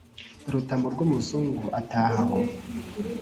Rutamu rw'umuzungu ataha aho!